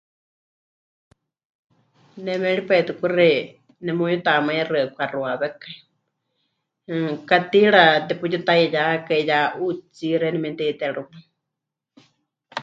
Ne méripai tɨ kuxi nemuyutamaixɨa pɨkaxuawékai, mmm, katiira teputitaiyákai ya 'utsí xeeníu memɨte'itérɨwa.